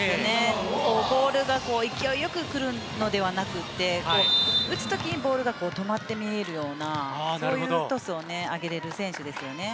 ボールが勢いよく来るのではなくて打つときにボールが止まって見えるようなそういうトスを上げられる選手ですね。